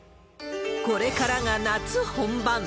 これからが夏本番。